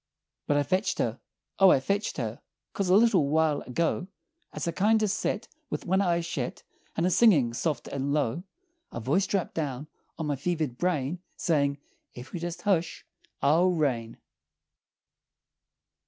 "But I fetched her! O I fetched her! 'Cause a little while ago, As I kindo' set With one eye shet, And a singin' soft and low, A voice drapped down on my fevered brain Sayin', 'Ef you'll jest hush I'll rain!'"